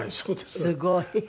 すごい。